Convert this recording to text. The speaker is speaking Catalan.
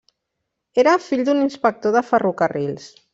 Era fill d'un inspector de ferrocarrils.